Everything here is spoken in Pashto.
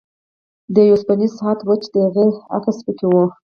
دا یو اوسپنیز ساعت و چې د هغې عکس پکې و